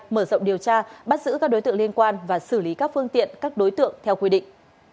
mở rộng điều tra bắt giữ các đối tượng liên quan và xử lý các phương tiện các đối tượng theo quy định